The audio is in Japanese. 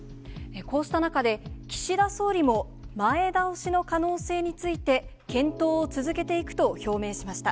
こうした中で、岸田総理も、前倒しの可能性について、検討を続けていくと表明しました。